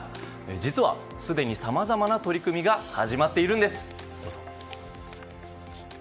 実は、すでにさまざまな取り組みが始まっているんです。